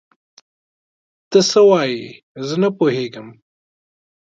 ته څه وايې؟ زه نه پوهيږم.